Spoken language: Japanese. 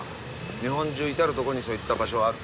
日本中至るとこにそういった場所はある。